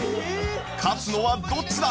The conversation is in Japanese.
勝つのはどっちだ！